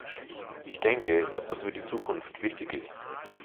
Ich denke, dass das für die Zukunft wichtig ist.